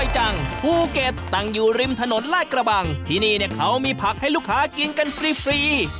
ภูเก็ตตั้งอยู่ริมถนนลาดกระบังที่นี่เนี่ยเขามีผักให้ลูกค้ากินกันฟรี